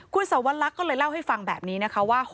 คุณสวรรคก็เลยเล่าให้ฟังแบบนี้นะคะว่า